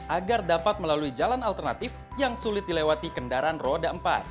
agar dapat melalui jalan alternatif yang sulit dilewati kendaraan roda empat